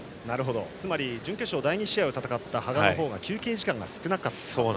つまり準決勝第２試合を戦った羽賀の方が休憩時間が少なかったと。